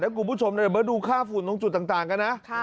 คุณผู้ชมมาดูค่าฝุ่นตรงจุดต่างกันนะ